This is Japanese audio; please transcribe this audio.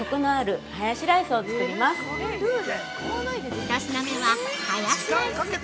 ◆１品目は、ハヤシライス。